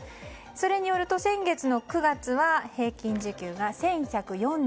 それによると、先月の９月は平均時給が１１４１円。